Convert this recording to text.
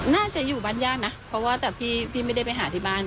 น่าจะอยู่บ้านญาตินะเพราะว่าแต่พี่ไม่ได้ไปหาที่บ้าน